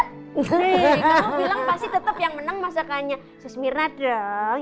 nih kamu bilang pasti tetep yang menang masakannya susmirna dong